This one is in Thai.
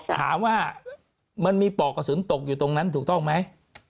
ถามว่ามันมีปอกกระสุนตกอยู่ตรงนั้นถูกต้องไหม